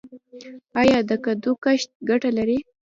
آیا د کدو کښت ګټه لري؟